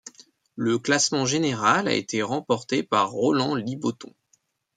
Le classement général a été remporté par Roland Liboton.